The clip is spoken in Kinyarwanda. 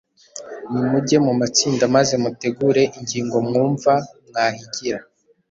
Nimuge mu matsinda maze mutegure ingingo mwumva mwahigira